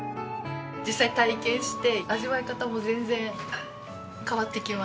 実際体験して味わい方も全然変わってきます。